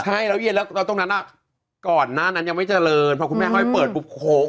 ใช่แล้วเย็นตรงนั้นอ่ะก่อนหน้านั้นยังไม่เจริญพอคุณแม่เริ่มให้เปิดปุ๊บโฮ